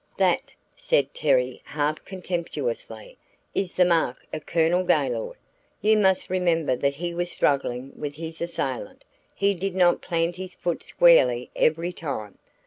"That," said Terry half contemptuously, "is the mark of Colonel Gaylord. You must remember that he was struggling with his assailant. He did not plant his foot squarely every time.